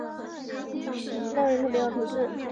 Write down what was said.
纳韦人口变化图示